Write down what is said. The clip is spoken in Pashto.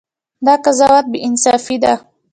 دا قضاوت بې انصافي ده.